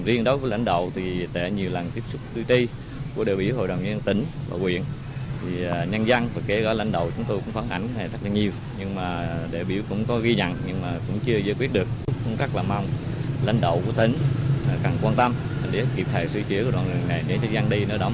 riêng đối với lãnh đạo thì đã nhiều lần tiếp xúc tư tri của đề biểu hội đồng nhân tỉnh và huyện